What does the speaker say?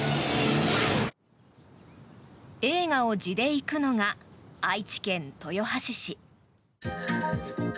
映画を地で行くのが愛知県豊橋市。